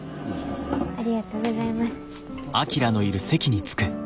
ありがとうございます。